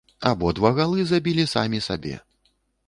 Абодва галы забілі самі сабе.